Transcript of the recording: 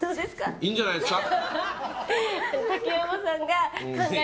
いいんじゃないですか。